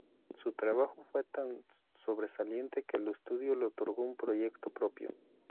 Su trabajo fue tan sobresaliente que el estudio le otorgó un proyecto propio.